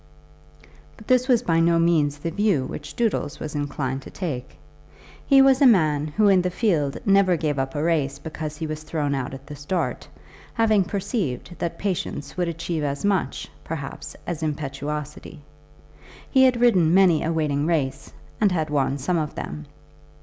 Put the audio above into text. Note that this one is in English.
But this was by no means the view which Doodles was inclined to take. He was a man who in the field never gave up a race because he was thrown out at the start, having perceived that patience would achieve as much, perhaps, as impetuosity. He had ridden many a waiting race, and had won some of them.